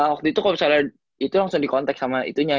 waktu itu kalau misalnya itu langsung dikontak sama itunya